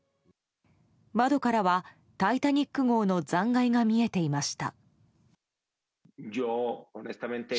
窓からは「タイタニック号」の残骸が見えていました。